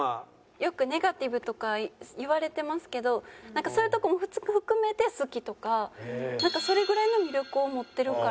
よくネガティブとか言われてますけどそういうとこも含めて好きとかなんかそれぐらいの魅力を持ってるから。